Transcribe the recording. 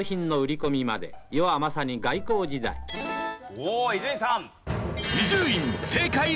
おっ伊集院さん。